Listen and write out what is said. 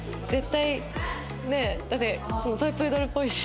ねえだってトイプードルっぽいし。